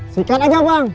sikat aja bang